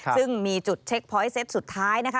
ซึ่งมีจุดเช็คพอยต์เซตสุดท้ายนะคะ